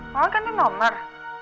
mama kan ini nomer